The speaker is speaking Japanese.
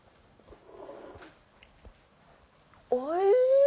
おいしい！